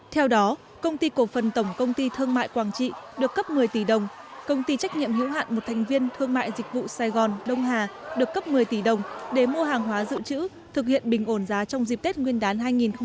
theo đó công ty cổ phần tổng công ty thương mại quảng trị được cấp một mươi tỷ đồng công ty trách nhiệm hữu hạn một thành viên thương mại dịch vụ sài gòn đông hà được cấp một mươi tỷ đồng để mua hàng hóa dự trữ thực hiện bình ổn giá trong dịp tết nguyên đán hai nghìn hai mươi